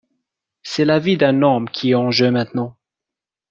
c’est la vie d’un homme qui est en jeu maintenant.